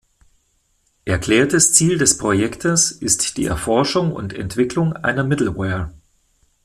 Erklärtes Ziel des Projektes ist die Erforschung und Entwicklung einer Middleware.